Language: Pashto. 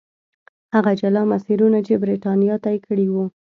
هغه جلا مسیرونه چې برېټانیا طی کړي وو.